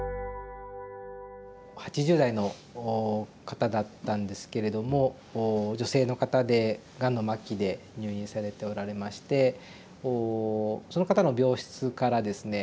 ８０代の方だったんですけれども女性の方でがんの末期で入院されておられましてこうその方の病室からですね